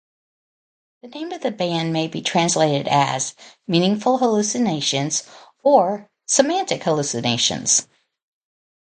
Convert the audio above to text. The name of the band may be translated as "meaningful hallucinations" or "semantic hallucinations.